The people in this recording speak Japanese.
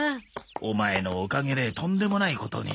オマエのおかげでとんでもないことに。